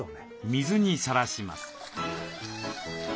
水にさらします。